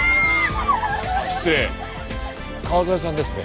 失礼川添さんですね？